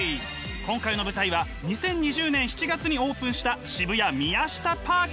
今回の舞台は２０２０年７月にオープンした渋谷ミヤシタパーク！